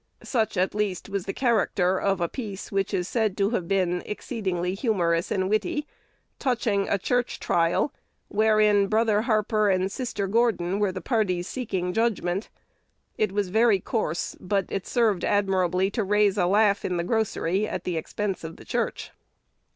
Such, at least, was the character of "a piece" which is said to have been "exceedingly humorous and witty," touching a church trial, wherein Brother Harper and Sister Gordon were the parties seeking judgment. It was very coarse, but it served admirably to raise a laugh in the grocery at the expense of the church.